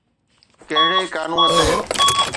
ڪهڙي قانون تحت؟